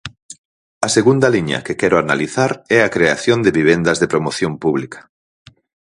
A segunda liña que quero analizar é a creación de vivendas de promoción pública.